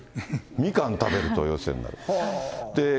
みかん食べると陽性になる。